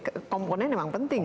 iya komponen memang penting